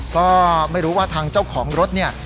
ก็ไม่รู้ว่าทางเจ้าของรถเนี่ย